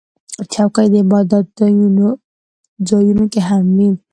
چوکۍ د عبادت ځایونو کې هم وي.